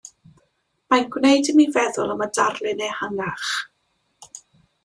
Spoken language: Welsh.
Mae'n gwneud i mi feddwl am y darlun ehangach.